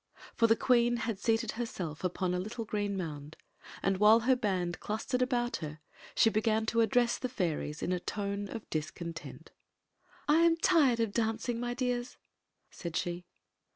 For the queen had seated herself upon a little green mound, and while her band clustered about her she began to address the feiries in a tone of discontent. "I am tired of dancing, my dears," said she.